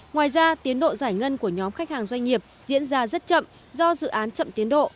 ngoài ra tiến độ giải ngân của nhóm khách hàng doanh nghiệp diễn ra rất chậm do dự án chậm tiến độ